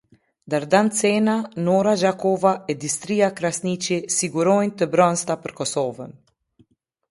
Dardan Cena, Nora Gjakova e Distria Krasniqi sigurojnë të bronzta për Kosovën.